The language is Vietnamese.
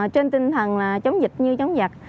trên tinh thần chống dịch như chống giặc